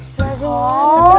oh tahun depan